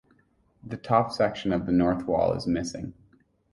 The top section of the north wall is missing.